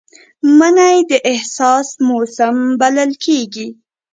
مني د احساس موسم بلل کېږي